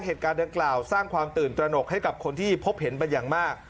เหตุการณ์ดังกล่าวสร้างความตื่นตระหนกให้กับคนที่พบเห็นเป็นอย่างมาก